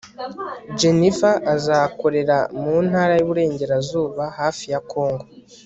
jennifer azakorera mu ntara y'uburengerazuba hafi ya kongo